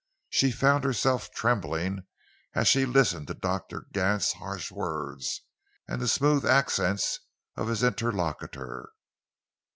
She found herself trembling as she listened to Doctor Gant's harsh voice and the smooth accents of his interlocutor.